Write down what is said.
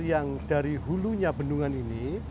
yang dari hulunya bendungan ini